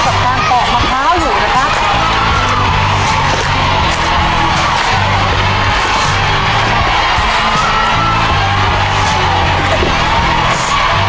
กับการปอกมะพร้าวอยู่นะครับ